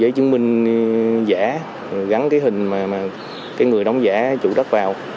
để chứng minh giả gắn cái hình mà cái người đóng giả chủ đất vào